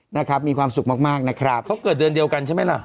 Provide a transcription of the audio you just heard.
นะครับมีความสุขมากมากนะครับเขาเกิดเดือนเดียวกันใช่ไหมล่ะ